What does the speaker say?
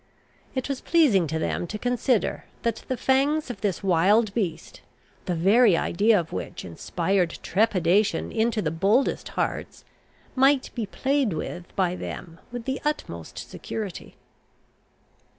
It was pleasing to them to consider, that the fangs of this wild beast, the very idea of which inspired trepidation into the boldest hearts, might be played with by them with the utmost security.